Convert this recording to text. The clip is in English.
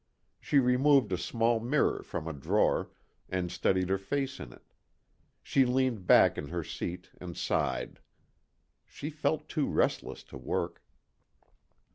She removed a small mirror from a drawer and studied her face in it. She leaned back in her seat and sighed. She felt too restless to work.